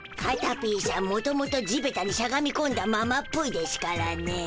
もともと地べたにしゃがみこんだままっぽいでしゅからね。